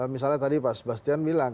misalnya tadi pak sebastian bilang